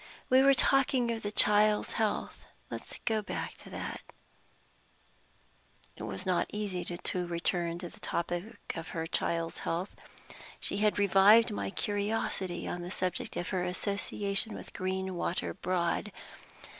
We were talking of the child's health; let us go back to that." It was not easy to return to the topic of her child's health. She had revived my curiosity on the subject of her association with Greenwater Broad.